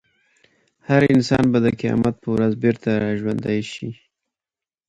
هر انسان به د قیامت په ورځ بېرته راژوندی شي.